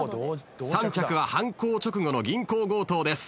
３着は犯行直後の銀行強盗です。